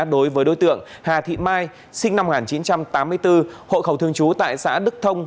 đối với đối tượng hà thị mai sinh năm một nghìn chín trăm tám mươi bốn hộ khẩu thường trú tại xã đức thông